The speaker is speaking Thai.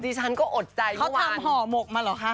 ที่ฉันก็อดใจเมื่อวานเขาทำห่อหมกมาเหรอคะ